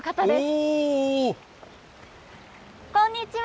こんにちは！